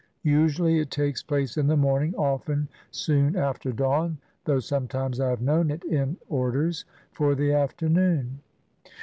Usually it takes place in the morning, often soon after dawn, though sometimes I have known it "in orders " for the afternoon.